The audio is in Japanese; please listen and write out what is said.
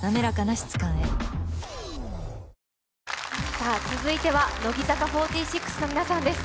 さあ、続いては乃木坂４６の皆さんです。